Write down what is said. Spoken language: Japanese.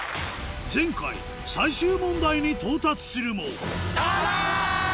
前回最終問題に到達するもあ！